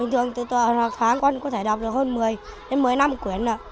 thường từ tuần hoặc tháng con có thể đọc được hơn một mươi đến một mươi năm quyển